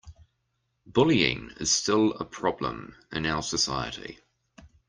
Bullying is still a problem in our society.